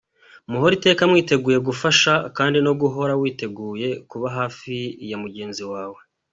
Muhore iteka mwiteguye gufashanya kandi no guhora witeguye kuba hafi ya mugenzi wawe.